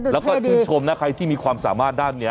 แล้วก็ชื่นชมนะใครที่มีความสามารถด้านนี้